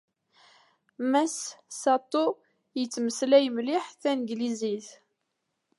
Mass Sato yettmeslay mliḥ tanglizit.